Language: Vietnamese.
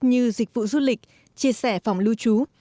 như dịch vụ du lịch chia sẻ phòng lưu trú